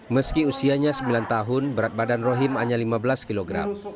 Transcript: meski usianya sembilan tahun berat badan rohim hanya lima belas kg